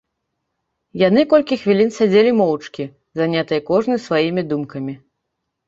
Яны колькі хвілін сядзелі моўчкі, занятыя кожны сваімі думкамі.